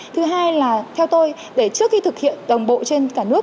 thứ hai là theo tôi để trước khi thực hiện đồng bộ trên cả nước